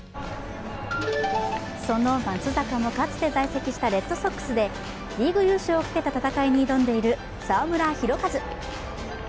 その松坂もかつて在籍したレッドソックスでリーグ優勝をかけた戦いに挑んでいる澤村拓一。